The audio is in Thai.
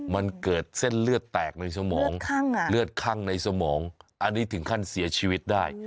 มันเกิดเส้นเลือดแตกในสมองเลือดคั่งในสมองอันนี้ถึงขั้นเสียชีวิตได้